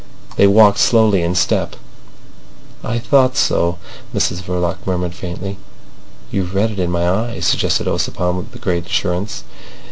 They walked slowly, in step. "I thought so," Mrs Verloc murmured faintly. "You've read it in my eyes," suggested Ossipon with great assurance.